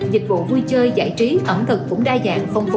dịch vụ vui chơi giải trí ẩm thực cũng đa dạng phong phú